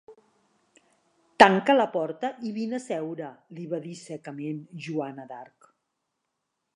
Tanca la porta i vine a seure —li va dir secament Joana d'Arc.